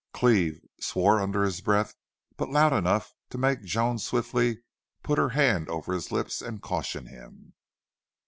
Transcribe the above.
Cleve swore under his breath, but loud enough to make Joan swiftly put her hand over his lips and caution him.